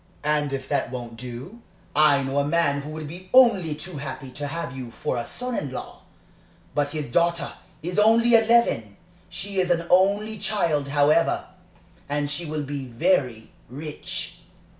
And if that won't do "I know a man who would be only too happy to have you for a son in law; but his daughter is only eleven; she is an only child, however, and she will be very rich.